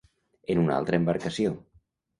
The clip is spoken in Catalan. En una altra embarcació.